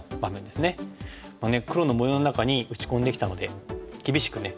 黒の模様の中に打ち込んできたので厳しくね